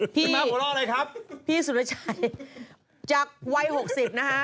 ที่พี่สุรชัยจากวัย๖๐นะฮะ